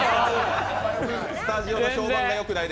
スタジオの評判良くない。